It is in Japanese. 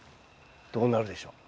どうなるでしょう？